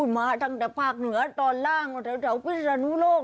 มาตั้งแต่ภาคเหนือตอนล่างแถวพิศนุโลก